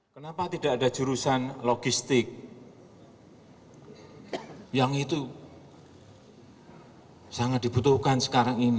kenapa tidak ada jurusan logistik yang itu sangat dibutuhkan sekarang ini